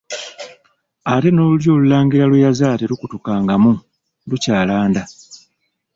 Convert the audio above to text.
Ate n'olulyo olulangira lwe yazaala terukutukangamu, lukyalanda.